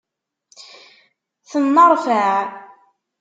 Tenneṛfaɛ.